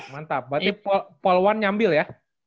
mantap berarti poluan nyambil ya